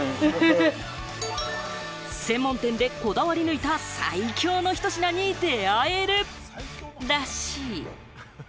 専門店でこだわりぬいた最強のひと品にであえるらしい。